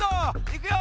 いくよ！